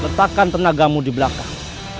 letakkan tenagamu di belakang